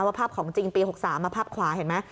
ภาพของจริงปี๖๓มาภาพขวาเห็นไหม